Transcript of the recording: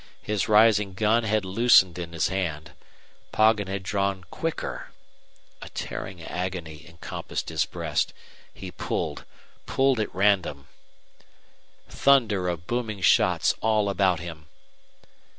His rising gun had loosened in his hand. Poggin had drawn quicker! A tearing agony encompassed his breast. He pulled pulled at random. Thunder of booming shots all about him!